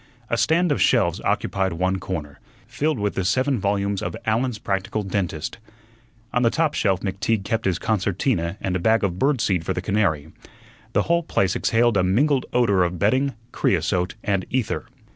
A stand of shelves occupied one corner, filled with the seven volumes of "Allen's Practical Dentist." On the top shelf McTeague kept his concertina and a bag of bird seed for the canary. The whole place exhaled a mingled odor of bedding, creosote, and ether.